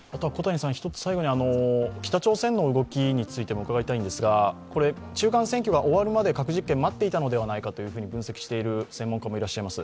北朝鮮の動きについても伺いたいんですが、中間選挙が終わるまで核実験を待っていたのではないかという専門家もいらっしゃいます。